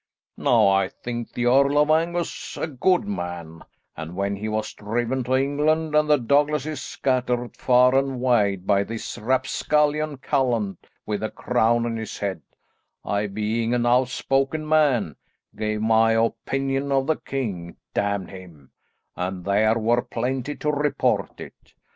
Now I think the Earl of Angus a good man, and when he was driven to England, and the Douglases scattered far and wide by this rapscallion callant with a crown on his head, I being an outspoken man, gave my opinion of the king, damn him, and there were plenty to report it.